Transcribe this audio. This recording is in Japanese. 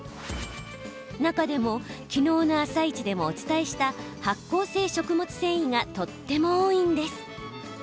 なかでもきのうの「あさイチ」でもお伝えした発酵性食物繊維がとっても多いんです。